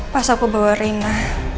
pas aku bawa rena